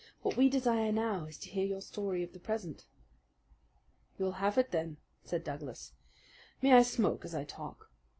"What we desire now is to hear your story of the present." "You'll have it, sir," said Douglas. "May I smoke as I talk?